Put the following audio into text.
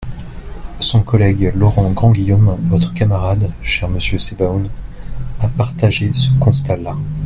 Son collègue Laurent Grandguillaume, votre camarade, cher monsieur Sebaoun, a partagé ce constat-là.